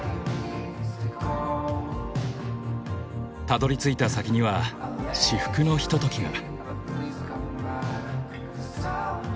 たどりついた先には至福のひとときが。